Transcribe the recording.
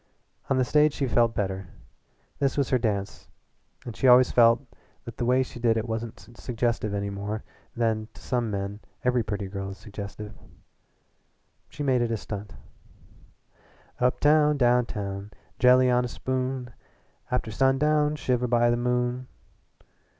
On the stage she felt better. This was her dance and she always felt that the way she did it wasn't suggestive any more than to some men every pretty girl is suggestive. She made it a stunt. "Uptown, downtown, jelly on a spoon, After sundown shiver by the moon."